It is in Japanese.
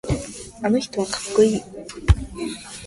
あの人はかっこいい。